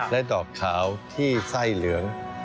และดอกขาวที่ไส้เหลือง